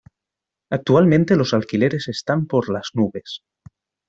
Actualmente los alquileres están por las nubes.